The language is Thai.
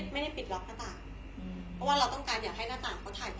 ไม่ได้ปิดล็อกหน้าต่างเพราะว่าเราต้องการอยากให้หน้าต่างเขาถ่าย